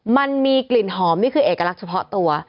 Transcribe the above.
มันมีกลิ่นหอมนี่คือเอกลักษณ์เฉพาะตัว